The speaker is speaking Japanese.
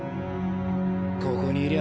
ここにいりゃ